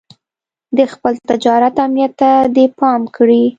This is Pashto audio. د خپل تجارت امنيت ته دې پام کړی.